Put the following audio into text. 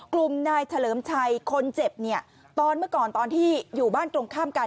กลุ่มนายเฉลิมชัยคนเจ็บเนี่ยตอนเมื่อก่อนตอนที่อยู่บ้านตรงข้ามกัน